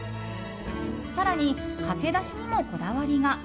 更に、かけだしにもこだわりが。